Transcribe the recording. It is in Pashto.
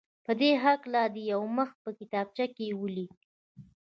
په دې هکله دې یو مخ په کتابچه کې ولیکي.